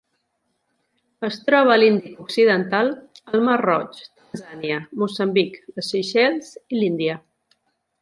Es troba a l'Índic occidental: el mar Roig, Tanzània, Moçambic, les Seychelles i l'Índia.